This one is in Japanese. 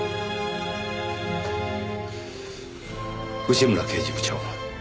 内村刑事部長。